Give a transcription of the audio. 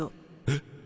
えっ？